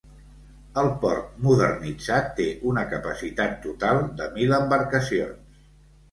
El port modernitzat té una capacitat total de mil embarcacions.